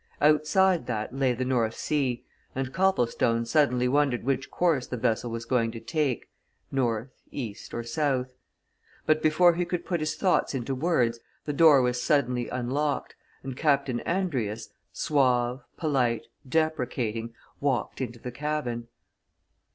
Outside that lay the North Sea, and Copplestone suddenly wondered which course the vessel was going to take, north, east, or south. But before he could put his thoughts into words, the door was suddenly unlocked, and Captain Andrius, suave, polite, deprecating, walked into the cabin.